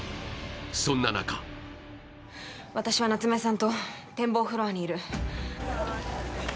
そんな中私は夏梅さんと展望フロアにいる。